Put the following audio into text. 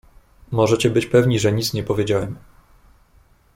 "Możecie być pewni, że nic nie powiedziałem."